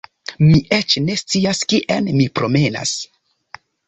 Mi eĉ ne scias kien mi promenas